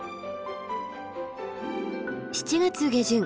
７月下旬